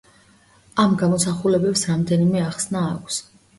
ამ გამოსახულებებს რამდენიმე ახსნა აქვს.